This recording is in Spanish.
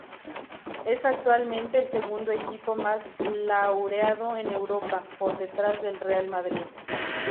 Es actualmente el segundo equipo más laureado de Europa, por detrás del Real Madrid.